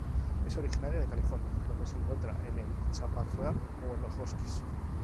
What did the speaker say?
Es originaria de California, donde se encuentra en el chaparral o en los bosques.